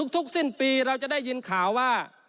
สิ้นปีเราจะได้ยินข่าวว่า